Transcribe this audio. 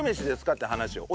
って話よ。